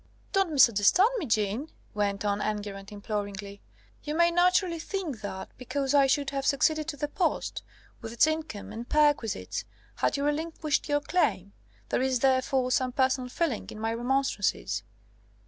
"Don't misunderstand me, Jeanne," went on Enguerrand imploringly: "you may naturally think that, because I should have succeeded to the post, with its income and perquisites, had you relinquished your claim, there is therefore some personal feeling in my remonstrances.